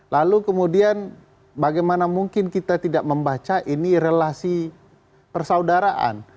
lalu kemudian bagaimana mungkin kita tidak membaca ini relasi persaudaraan